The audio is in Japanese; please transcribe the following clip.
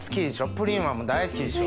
プリンは大好きでしょ？